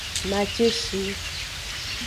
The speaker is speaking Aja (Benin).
Maceshi.